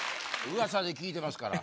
噂で聞いてますから。